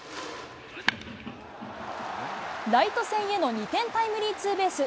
ライト線への２点タイムリーツーベース。